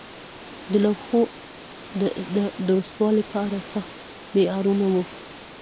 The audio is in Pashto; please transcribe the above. د لوحو د درستوالي په اړه سخت معیارونه وو.